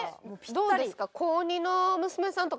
どうですか？